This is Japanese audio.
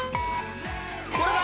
これだ！